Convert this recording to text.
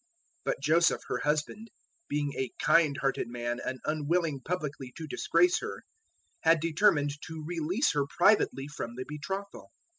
001:019 But Joseph her husband, being a kind hearted man and unwilling publicly to disgrace her, had determined to release her privately from the betrothal.